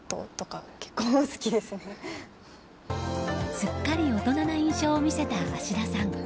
すっかり大人な印象を見せた芦田さん。